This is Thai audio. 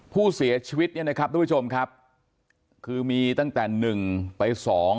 ผู้เสียชีวิตเนี่ยนะครับทุกผู้ชมครับคือมีตั้งแต่หนึ่งไปสอง